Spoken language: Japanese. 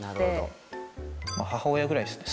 母親ぐらいですね